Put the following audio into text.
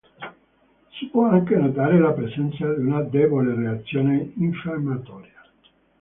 Si può anche notare la presenza di una debole reazione infiammatoria.